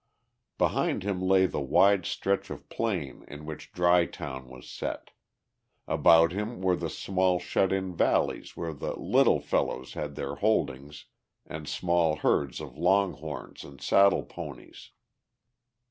Behind him lay the wide stretch of plain in which Dry Town was set; about him were the small shut in valleys where the "little fellows" had their holdings and small herds of long horns and saddle ponies.